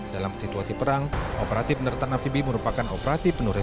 dalam situasi perang operasi penderatan amfibi merupakan operasi penuh resiko